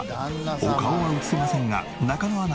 お顔は映せませんが中野アナ